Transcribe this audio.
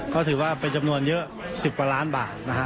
ก็ถือว่าเป็นจำนวนเยอะ๑๐กว่าล้านบาทนะฮะ